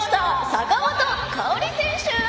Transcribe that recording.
坂本花織選手！